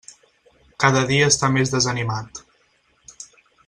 Cada dia està més desanimat.